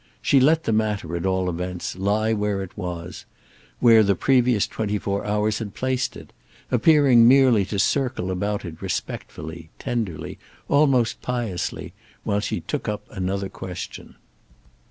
She let the matter, at all events, lie where it was—where the previous twenty four hours had placed it; appearing merely to circle about it respectfully, tenderly, almost piously, while she took up another question.